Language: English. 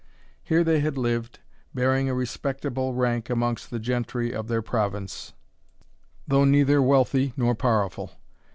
Here they had lived, bearing a respectable rank amongst the gentry of their province, though neither wealthy nor powerful.